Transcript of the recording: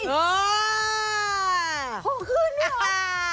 โอ่ขอคืนหวะ